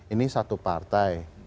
ini satu partai